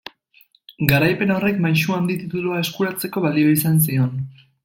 Garaipen horrek Maisu Handi titulua eskuratzeko balio izan zion.